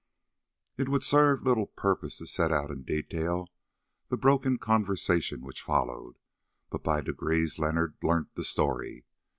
It would serve little purpose to set out in detail the broken conversation which followed, but by degrees Leonard learnt the story.